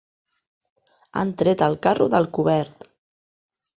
Han tret el carro del cobert.